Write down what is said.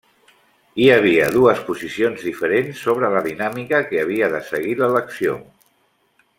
Hi ha via dues posicions diferents sobre la dinàmica que havia de seguir l'elecció.